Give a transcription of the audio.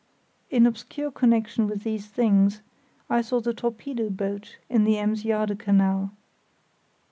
In obscure connexion with these things, I saw the torpedo boat in the Ems Jade Canal.